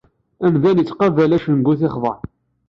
Amdan ittqabal acngu t-ixḍan.